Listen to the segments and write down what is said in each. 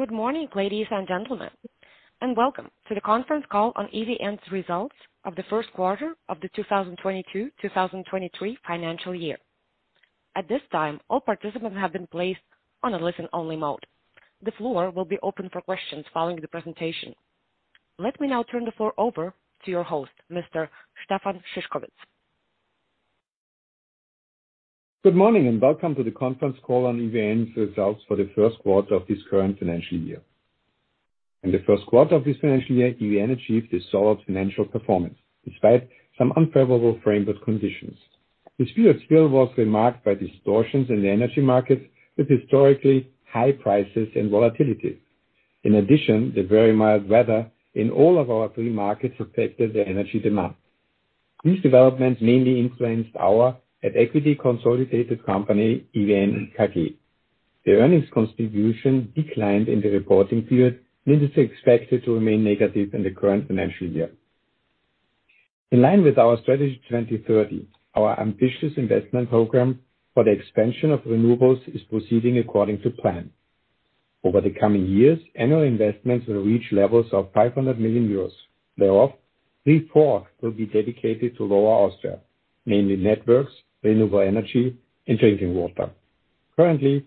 Good morning, ladies and gentlemen, welcome to the conference call on EVN's results of the first quarter of the 2022/2023 financial year. At this time, all participants have been placed on a listen-only mode. The floor will be open for questions following the presentation. Let me now turn the floor over to your host, Mr. Stefan Szyszkowitz. Good morning and welcome to the conference call on EVN's results for the first quarter of this current financial year. In the first quarter of this financial year, EVN achieved a solid financial performance despite some unfavorable framework conditions. This period still was remarked by distortions in the energy markets with historically high prices and volatility. In addition, the very mild weather in all of our three markets affected the energy demand. These developments mainly influenced our at equity consolidated company, EVN AG. The earnings contribution declined in the reporting period and is expected to remain negative in the current financial year. In line with our strategy 2030, our ambitious investment program for the expansion of renewables is proceeding according to plan. Over the coming years, annual investments will reach levels of 500 million euros. Thereof, three-fourths will be dedicated to Lower Austria, mainly networks, renewable energy and drinking water. Currently,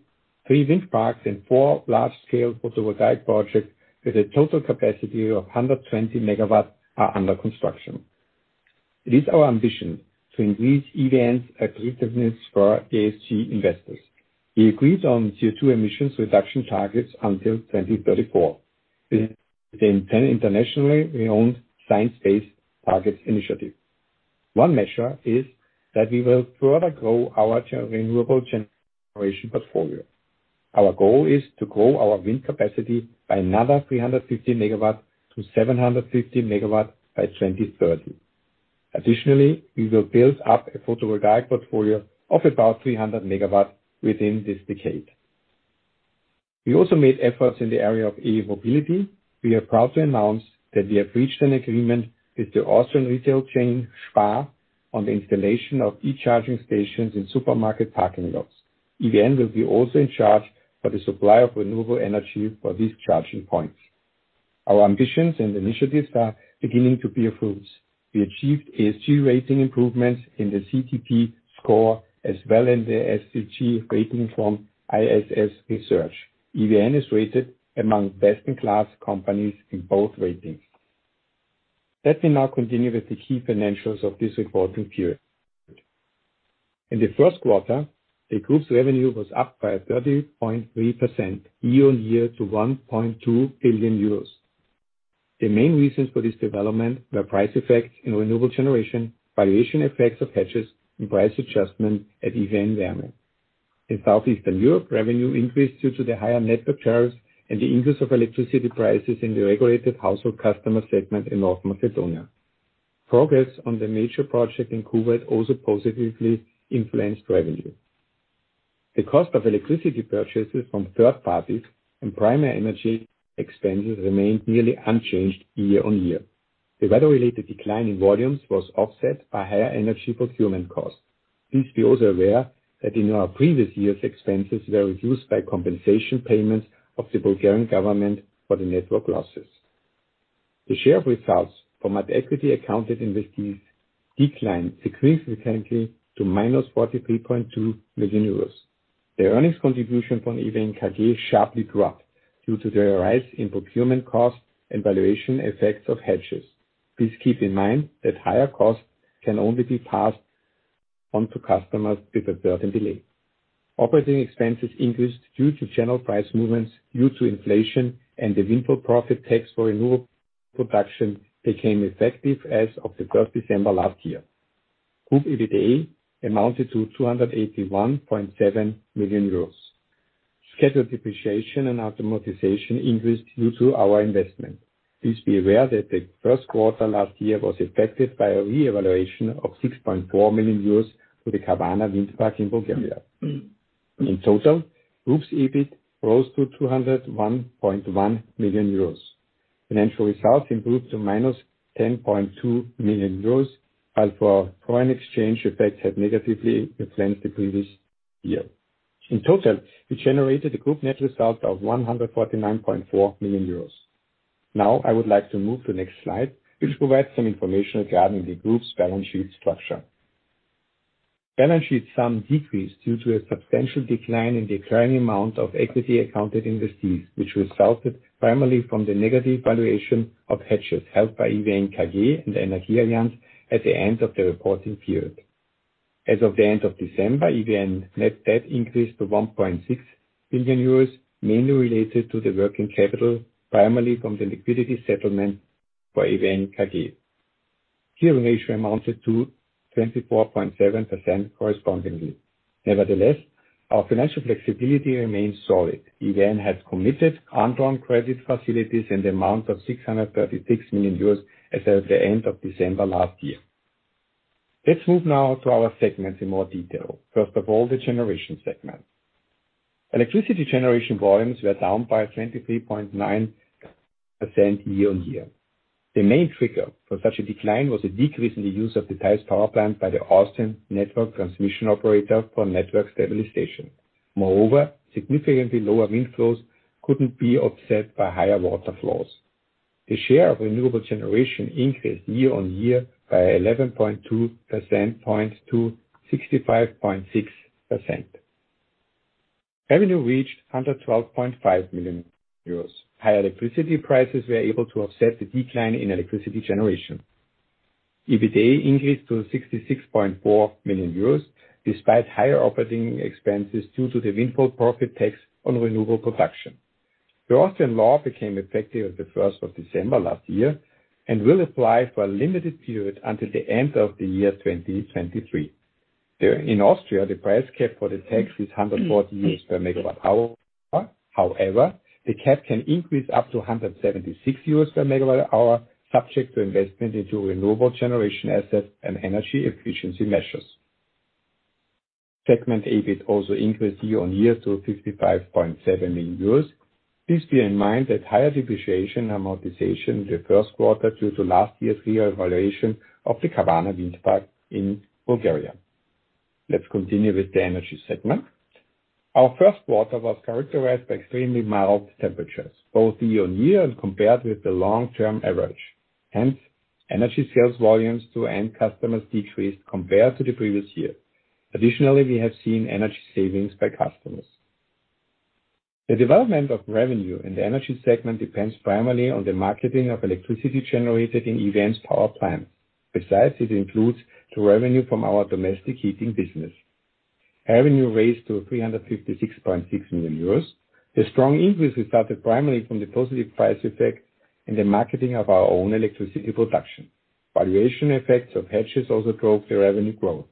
three wind parks and four large-scale photovoltaic projects with a total capacity of 120 MW are under construction. It is our ambition to increase EVN's attractiveness for ESG investors. We agreed on CO2 emissions reduction targets until 2034 within 10 internationally renowned Science Based Targets initiative. One measure is that we will further grow our renewable generation portfolio. Our goal is to grow our wind capacity by another 350 MW to 750 MW by 2030. Additionally, we will build up a photovoltaic portfolio of about 300 MW within this decade. We also made efforts in the area of E-mobility. We are proud to announce that we have reached an agreement with the Austrian retail chain, SPAR, on the installation of E-charging stations in supermarket parking lots. EVN will be also in charge for the supply of renewable energy for these charging points. Our ambitions and initiatives are beginning to bear fruits. We achieved ESG rating improvements in the CDP score as well in the SDG rating from ISS ESG. EVN is rated among best-in-class companies in both ratings. Let me now continue with the key financials of this reporting period. In the first quarter, the group's revenue was up by 30.3% year-over-year to 1.2 billion euros. The main reasons for this development were price effects in renewable generation, valuation effects of hedges and price adjustment at EVN Wärme. In Southeastern Europe, revenue increased due to the higher network tariffs and the increase of electricity prices in the regulated household customer segment in North Macedonia. Progress on the major project in Kuwait also positively influenced revenue. The cost of electricity purchases from third parties and primary energy expenses remained nearly unchanged year-over-year. The weather-related decline in volumes was offset by higher energy procurement costs. Please be also aware that in our previous years, expenses were reduced by compensation payments of the Bulgarian government for the network losses. The share of results from at equity accounted investees declined significantly to minus 43.2 million euros. The earnings contribution from EVN KG sharply dropped due to the rise in procurement costs and valuation effects of hedges. Please keep in mind that higher costs can only be passed on to customers with a certain delay. Operating expenses increased due to general price movements due to inflation and the windfall profit tax for renewable production became effective as of the first December last year. Group EBITDA amounted to 281.7 million euros. Scheduled depreciation and amortization increased due to our investment. Please be aware that the first quarter last year was affected by a reevaluation of 6.4 million euros for the Kavarna wind park in Bulgaria. In total, group's EBIT rose to 201.1 million euros. Financial results improved to minus 10.2 million euros, while foreign exchange effects had negatively influenced the previous year. In total, we generated a group net result of 149.4 million euros. Now I would like to move to the next slide, which provides some information regarding the group's balance sheet structure. Balance sheet sum decreased due to a substantial decline in the acquiring amount of equity accounted investees, which resulted primarily from the negative valuation of hedges held by EVN KG and EnergieAllianz at the end of the reporting period. As of the end of December, EVN net debt increased to 1.6 billion euros, mainly related to the working capital, primarily from the liquidity settlement for EVN KG. Gearing ratio amounted to 24.7% correspondingly. Nevertheless, our financial flexibility remains solid. EVN has committed undrawn credit facilities in the amount of 636 million euros as at the end of December last year. Let's move now to our segments in more detail. First of all, the generation segment. Electricity generation volumes were down by 23.9% year-on-year. The main trigger for such a decline was a decrease in the use of the Theiss power plant by the Austrian network transmission operator for network stabilization. Significantly lower wind flows couldn't be offset by higher water flows. The share of renewable generation increased year-over-year by 11.2 percentage points to 65.6%. Revenue reached under 12.5 million euros. High electricity prices were able to offset the decline in electricity generation. EBITDA increased to 66.4 million euros, despite higher operating expenses due to the windfall profit tax on renewable production. The Austrian law became effective as of 1st of December last year and will apply for a limited period until the end of 2023. In Austria, the price cap for the tax is 140 euros per megawatt hour. The cap can increase up to 176 euros per megawatt hour, subject to investment into renewable generation assets and energy efficiency measures. Segment EBIT also increased year-on-year to 55.7 million euros. Please bear in mind that higher depreciation amortization in the first quarter due to last year's revaluation of the Kavarna wind park in Bulgaria. Let's continue with the energy segment. Our first quarter was characterized by extremely mild temperatures, both year-on-year and compared with the long-term average. Energy sales volumes to end customers decreased compared to the previous year. Additionally, we have seen energy savings by customers. The development of revenue in the energy segment depends primarily on the marketing of electricity generated in EVN's power plant. It includes the revenue from our domestic heating business. Revenue raised to 356.6 million euros. The strong increase is started primarily from the positive price effect in the marketing of our own electricity production. Valuation effects of hedges also drove the revenue growth.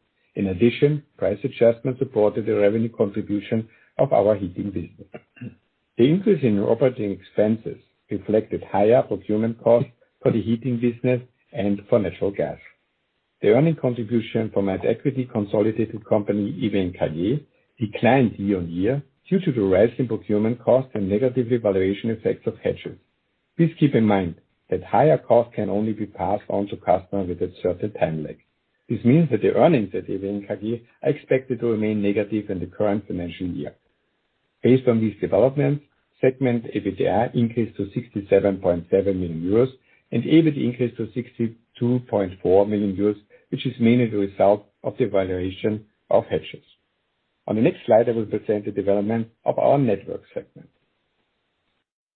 Price adjustments supported the revenue contribution of our heating business. The increase in operating expenses reflected higher procurement costs for the heating business and for natural gas. The earning contribution from our equity consolidated company, EVN KG, declined year-on-year due to the rise in procurement costs and negatively valuation effects of hedges. Please keep in mind that higher costs can only be passed on to customers with a certain time lag. The earnings at EVN KG are expected to remain negative in the current financial year. Based on these developments, segment EBITDA increased to 67.7 million euros and EBIT increased to 62.4 million euros, which is mainly the result of the valuation of hedges. On the next slide, I will present the development of our network segment.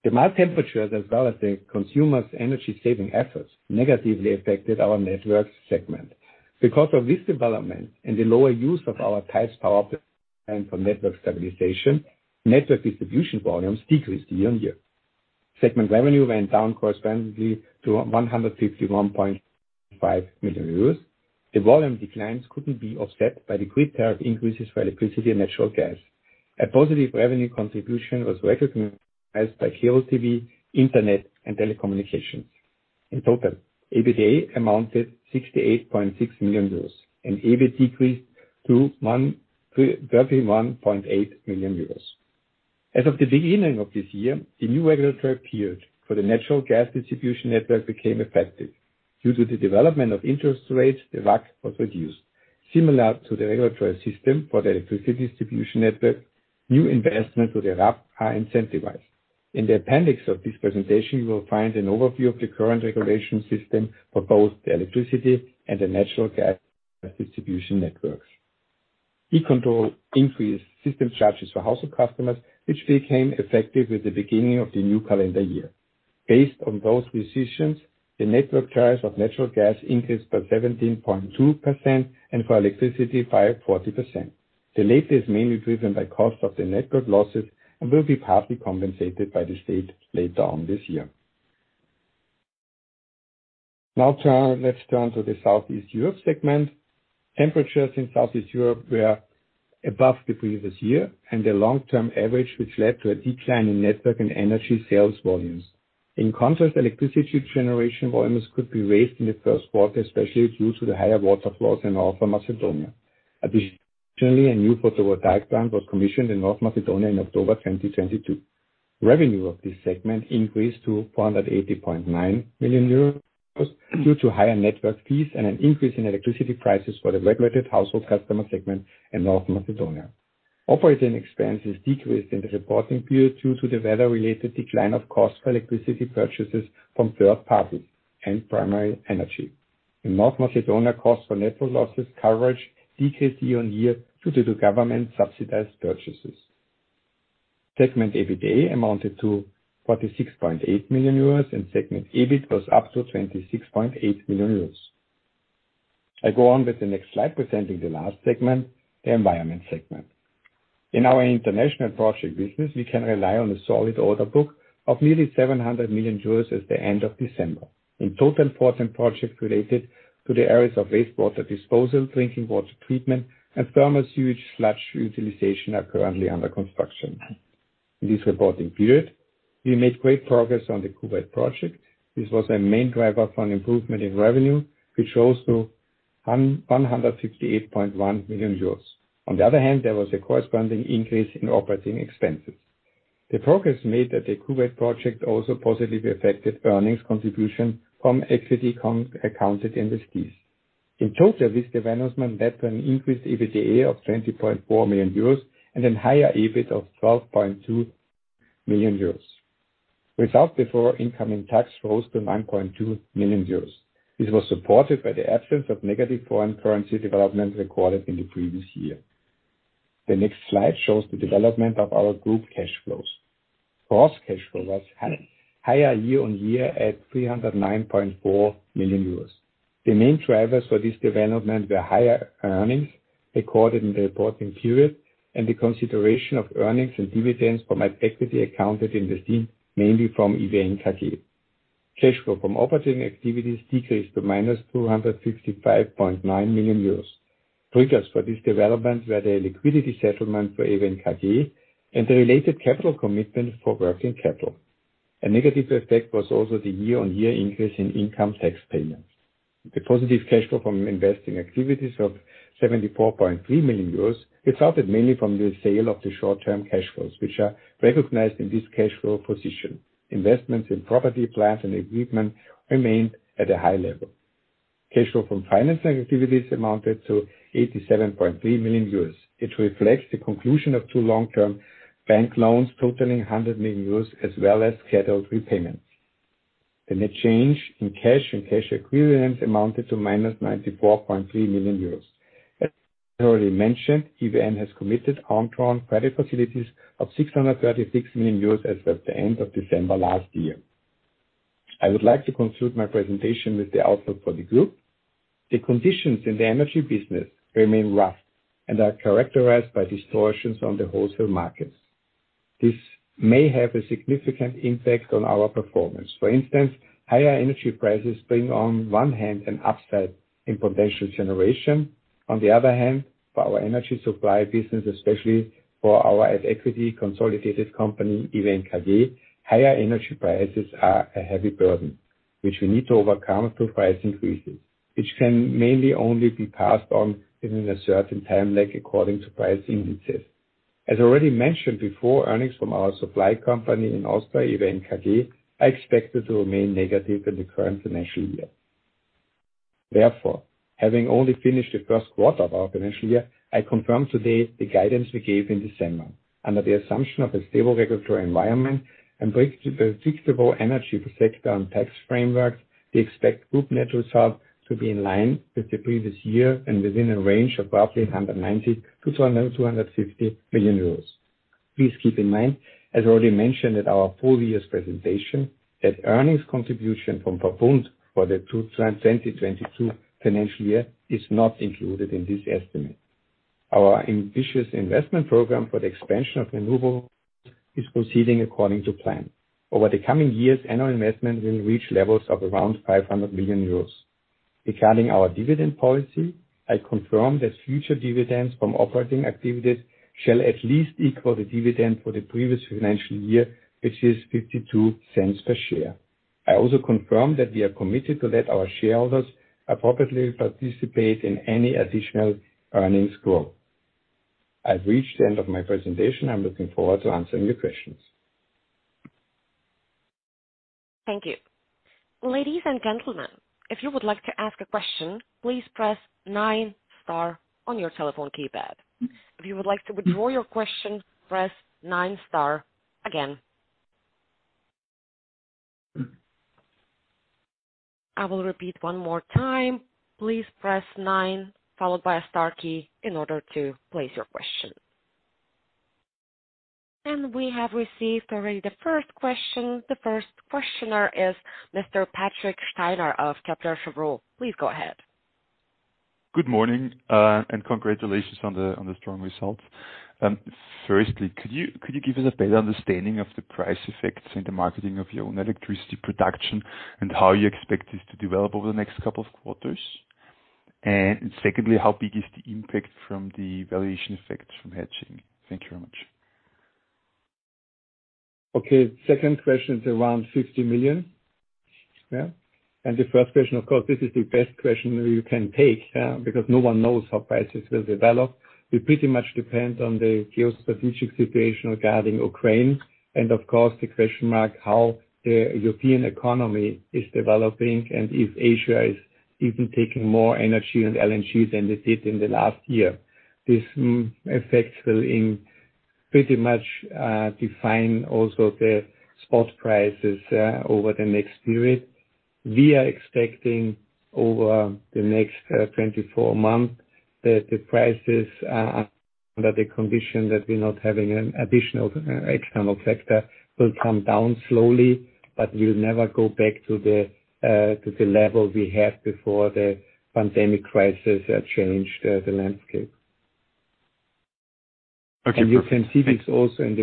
The mild temperatures, as well as the consumers energy saving efforts, negatively affected our network segment. Because of this development and the lower use of our Theiss power plant for network stabilization, network distribution volumes decreased year-on-year. Segment revenue went down correspondingly to 151.5 million euros. The volume declines couldn't be offset by the grid tariff increases for electricity and natural gas. A positive revenue contribution was recognized by CLTV, Internet, and telecommunications. In total, EBITDA amounted 68.6 million euros and EBIT decreased to 31.8 million euros. As of the beginning of this year, the new regulatory period for the natural gas distribution network became effective. Due to the development of interest rates, the RAC was reduced. Similar to the regulatory system for the electricity distribution network, new investments with the RAP are incentivized. In the appendix of this presentation, you will find an overview of the current regulation system for both the electricity and the natural gas distribution networks. E-Control increased system charges for household customers, which became effective with the beginning of the new calendar year. Based on those decisions, the network charge of natural gas increased by 17.2% and for electricity by 40%. The latest mainly driven by cost of the network losses and will be partly compensated by the state later on this year. Let's turn to the Southeast Europe segment. Temperatures in Southeast Europe were above the previous year and the long-term average, which led to a decline in network and energy sales volumes. In contrast, electricity generation volumes could be raised in the first quarter, especially due to the higher water flows in North Macedonia. Additionally, a new photovoltaic plant was commissioned in North Macedonia in October 2022. Revenue of this segment increased to 480.9 million euros due to higher network fees and an increase in electricity prices for the regulated household customer segment in North Macedonia. Operating expenses decreased in the reporting period due to the weather-related decline of cost for electricity purchases from third parties and primary energy. In North Macedonia, cost for network losses coverage decreased year-on-year due to the government subsidized purchases. Segment EBITDA amounted to 46.8 million euros and segment EBIT was up to 26.8 million euros. I go on with the next slide, presenting the last segment, the environment segment. In our international project business, we can rely on a solid order book of nearly 700 million euros as the end of December. In total, 14 projects related to the areas of wastewater disposal, drinking water treatment, and thermal sewage sludge utilization are currently under construction. In this reporting period, we made great progress on the Kuwait project. This was a main driver for an improvement in revenue, which also 158.1 million euros. On the other hand, there was a corresponding increase in operating expenses. The progress made at the Kuwait project also positively affected earnings contribution from equity accounted industries. In total, this development led to an increased EBITDA of 20.4 million euros and higher EBIT of 12.2 million euros. Result before incoming tax rose to 9.2 million euros. This was supported by the absence of negative foreign currency development recorded in the previous year. The next slide shows the development of our group cash flows. Gross cash flow was higher year on year at 309.4 million euros. The main drivers for this development were higher earnings recorded in the reporting period and the consideration of earnings and dividends from at equity accounted investees, mainly from EVN KG. Cash flow from operating activities decreased to minus 265.9 million euros. Triggers for this development were the liquidity settlement for EVN KG and the related capital commitment for working capital. A negative effect was also the year-on-year increase in income tax payments. The positive cash flow from investing activities of 74.3 million euros resulted mainly from the sale of the short-term cash flows, which are recognized in this cash flow position. Investments in property, plant, and equipment remained at a high level. Cash flow from financing activities amounted to 87.3 million euros, which reflects the conclusion of two long-term bank loans totaling 100 million euros, as well as scheduled repayments. The net change in cash and cash equivalents amounted to -94.3 million euros. As already mentioned, EVN has committed undrawn credit facilities of 636 million euros as of the end of December last year. I would like to conclude my presentation with the outlook for the group. The conditions in the energy business remain rough and are characterized by distortions on the wholesale markets. This may have a significant impact on our performance. For instance, higher energy prices bring on one hand an upside in potential generation, on the other hand, for our energy supply business, especially for our equity consolidated company, EVN KG, higher energy prices are a heavy burden, which we need to overcome through price increases, which can mainly only be passed on within a certain time lag according to price increases. As already mentioned before, earnings from our supply company in Austria, EVN KG, are expected to remain negative in the current financial year. Having only finished the first quarter of our financial year, I confirm today the guidance we gave in December. Under the assumption of a stable regulatory environment and pre-predictable energy sector and tax framework, we expect group net results to be in line with the previous year and within a range of roughly 190 million-250 million euros. Please keep in mind, as already mentioned at our full year's presentation, that earnings contribution from VERBUND for the 2022 financial year is not included in this estimate. Our ambitious investment program for the expansion of renewable is proceeding according to plan. Over the coming years, annual investment will reach levels of around 500 million euros. Regarding our dividend policy, I confirm that future dividends from operating activities shall at least equal the dividend for the previous financial year, which is 0.52 per share. I also confirm that we are committed to let our shareholders appropriately participate in any additional earnings growth. I've reached the end of my presentation. I'm looking forward to answering your questions. Thank you. Ladies and gentlemen, if you would like to ask a question, please press nine star on your telephone keypad. If you would like to withdraw your question, press nine star again. I will repeat one more time. Please press nine followed by a star key in order to place your question. We have received already the first question. The first questioner is Mr. Patrick Steiner of Erste Group. Please go ahead. Good morning, and congratulations on the strong results. Firstly, could you give us a better understanding of the price effects in the marketing of your own electricity production and how you expect this to develop over the next couple of quarters? Secondly, how big is the impact from the valuation effects from hedging? Thank you very much. Okay. Second question is around 50 million. Yeah. The first question, of course, this is the best question you can take, because no one knows how prices will develop. We pretty much depend on the geostrategic situation regarding Ukraine, and of course, the question mark, how the European economy is developing and if Asia is even taking more energy and LNG than they did in the last year. These effects will in pretty much define also the spot prices over the next period. We are expecting over the next 24 months that the prices, under the condition that we're not having an additional external factor, will come down slowly, but will never go back to the level we had before the pandemic crisis changed the landscape. Okay. You can see this also in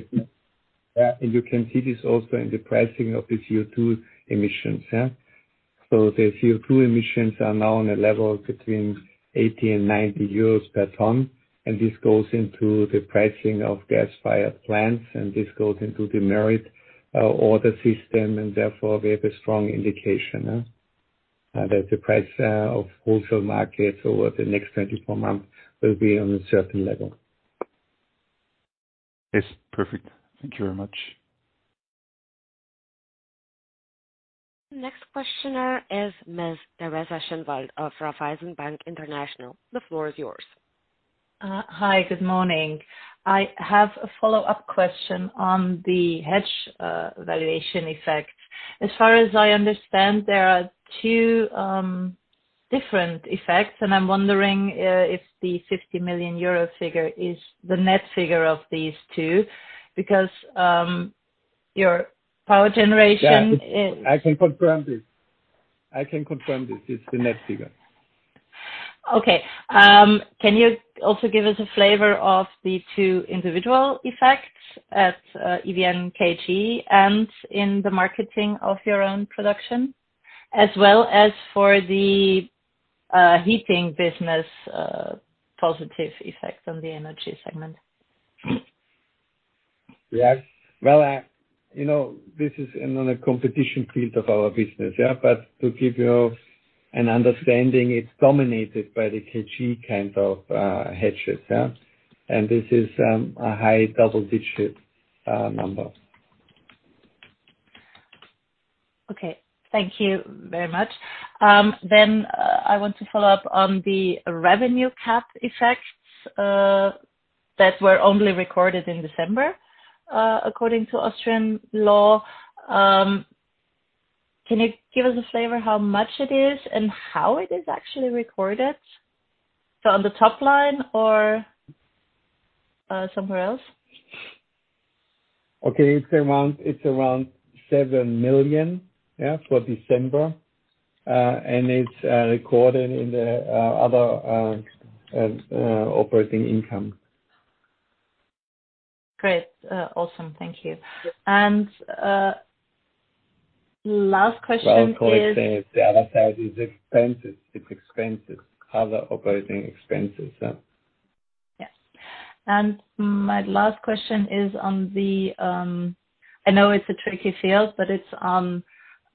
the pricing of the CO2 emissions. The CO2 emissions are now on a level between 80 and 90 euros per ton, and this goes into the pricing of gas-fired plants, and this goes into the merit order system, and therefore, we have a strong indication that the price of wholesale markets over the next 24 months will be on a certain level. Yes. Perfect. Thank you very much. Next questioner is Ms. Teresa Schinwald of Raiffeisen Bank International. The floor is yours. Hi, good morning. I have a follow-up question on the hedge valuation effect. As far as I understand, there are two different effects, and I'm wondering if the 50 million euro figure is the net figure of these two because your power generation. Yeah. I can confirm this. I can confirm this. It's the net figure. Can you also give us a flavor of the two individual effects at EVN KG and in the marketing of your own production, as well as for the heating business, positive effect on the energy segment? Yes. Well, you know, this is another competition field of our business, yeah. To give you an understanding, it's dominated by the KG kind of hedges, yeah. This is a high double-digit number. Okay. Thank you very much. I want to follow up on the revenue cap effects that were only recorded in December according to Austrian law. Can you give us a flavor how much it is and how it is actually recorded? On the top line or somewhere else? Okay. It's around 7 million, yeah, for December. It's recorded in the other operating income. Great. Awesome. Thank you. Last question. Well, colleagues say the other side is expenses. It's expenses. Other operating expenses, yeah. Yes. My last question is on the, I know it's a tricky field, but it's on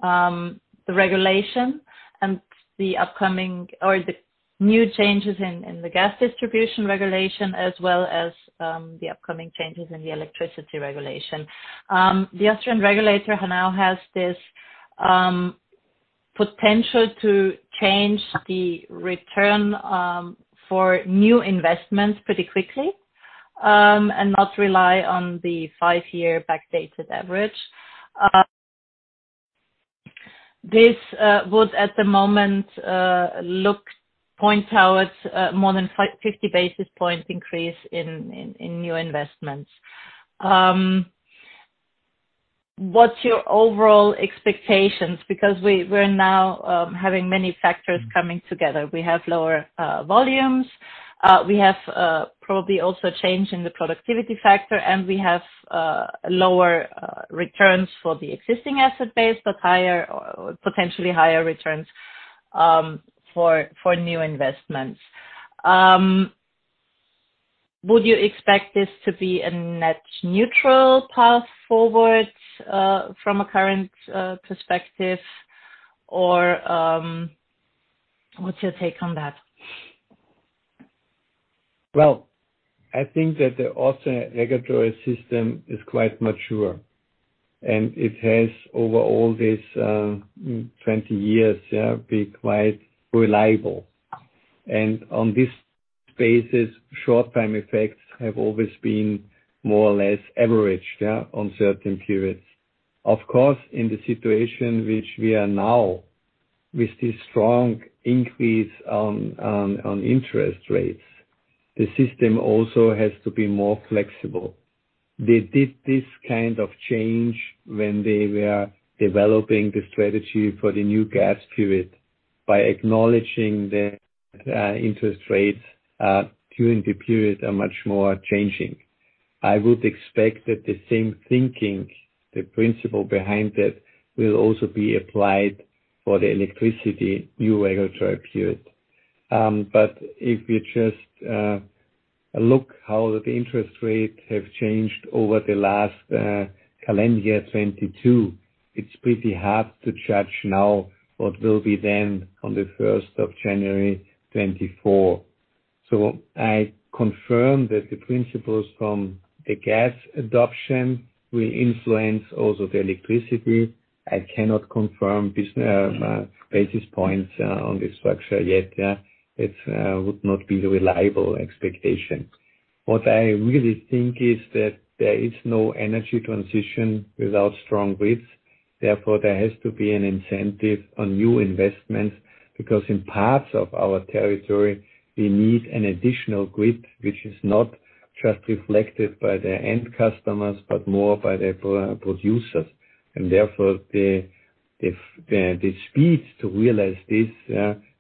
the regulation and the upcoming or the new changes in the gas distribution regulation as well as the upcoming changes in the electricity regulation. The Austrian regulator now has this potential to change the return for new investments pretty quickly and not rely on the five-year backdated average. This would at the moment look points out more than 50 basis points increase in new investments. What's your overall expectations because we're now having many factors coming together. We have lower volumes. We have probably also change in the productivity factor. We have lower returns for the existing asset base, but higher or potentially higher returns for new investments. Would you expect this to be a net neutral path forward, from a current, perspective or, what's your take on that? Well, I think that the Austrian regulatory system is quite mature, and it has over all these 20 years been quite reliable. On this basis, short-term effects have always been more or less averaged, yeah, on certain periods. Of course, in the situation which we are now with this strong increase on interest rates, the system also has to be more flexible. They did this kind of change when they were developing the strategy for the new gas period by acknowledging the interest rates during the period are much more changing. I would expect that the same thinking, the principle behind it, will also be applied for the electricity new regulatory period. If you just look how the interest rates have changed over the last calendar year 2022, it's pretty hard to judge now what will be then on the 1st of January 2024. I confirm that the principles from the gas adoption will influence also the electricity. I cannot confirm basis points on the structure yet. It would not be the reliable expectation. What I really think is that there is no energy transition without strong grids. Therefore, there has to be an incentive on new investments because in parts of our territory, we need an additional grid, which is not just reflected by the end customers, but more by the producers. Therefore, the speed to realize this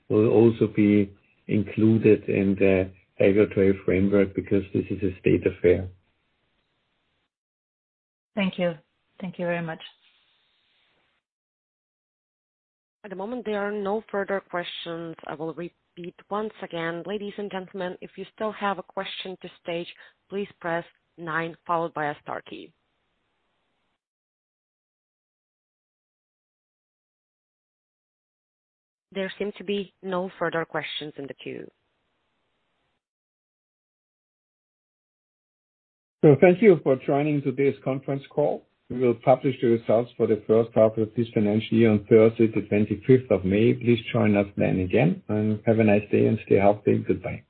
will also be included in the regulatory framework because this is a state affair. Thank you. Thank you very much. At the moment, there are no further questions. I will repeat once again. Ladies and gentlemen, if you still have a question to stage, please press nine followed by a star key. There seem to be no further questions in the queue. Thank you for joining today's conference call. We will publish the results for the first half of this financial year on Thursday, the 25th of May. Please join us then again, have a nice day and stay healthy. Goodbye.